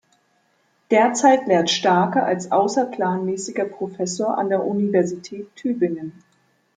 Derzeit lehrt Starke als außerplanmäßiger Professor an der Universität Tübingen.